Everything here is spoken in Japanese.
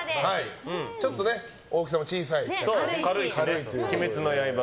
ちょっと大きさも小さい「鬼滅の刃」